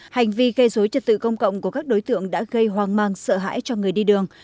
hành vi gây dối trật tự công cộng của các đối tượng đã gây hoang mang sợ hãi cho người đi đường